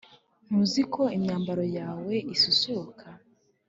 Ntuzi ko imyambaro yawe isusuruka